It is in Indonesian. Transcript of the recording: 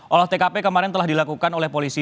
olah tkp kemarin telah dilakukan oleh polisi